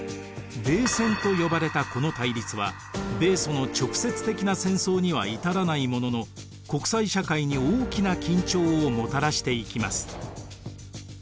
冷戦と呼ばれたこの対立は米ソの直接的な戦争には至らないものの国際社会に大きな緊張をもたらしていきます。